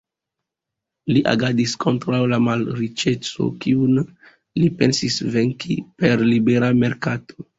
Li agadis kontraŭ la malriĉeco, kiun li pensis venki per libera merkato.